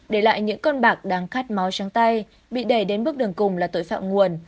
để lại những con bạc đang khát máu trong tay bị đẩy đến bước đường cùng là tội phạm nguồn